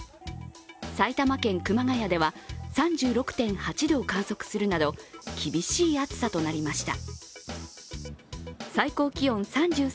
埼玉県熊谷では３６．８度を観測するなど厳しい暑さとなりました。